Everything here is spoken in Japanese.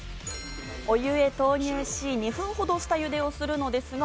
お湯へ投入し、２分ほど下茹でするのですが、